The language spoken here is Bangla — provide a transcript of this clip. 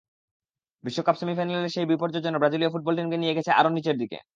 বিশ্বকাপ সেমিফাইনালের সেই বিপর্যয় যেন ব্রাজিলীয় ফুটবলকে নিয়ে গেছে আরও নিচের দিকে।